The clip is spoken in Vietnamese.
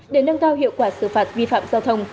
để nâng cao hiệu quả xử phạt vi phạm giao thông